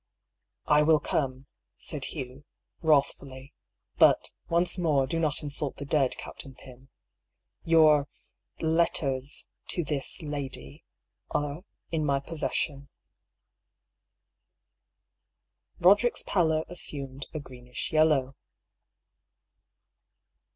" I will come," said Hugh, wrathf uUy. " But, once more, do not insult the dead, Captain Pym. Your — letters — to this — lady — are in my possession." 6 76 DR. PAULL'S THEORY. Roderick's pallor assumed a greenish yellow.